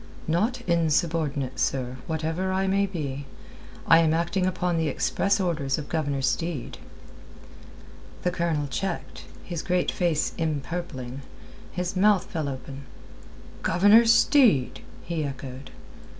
"Not insubordinate, sir, whatever I may be. I am acting upon the express orders of Governor Steed." The Colonel checked, his great face empurpling. His mouth fell open. "Governor Steed!" he echoed.